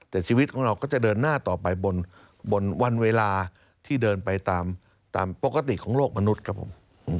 แต่ชีวิตของเราก็จะเดินหน้าต่อไปบนวันเวลาที่เดินไปตามปกติของโลกมนุษย์ครับผม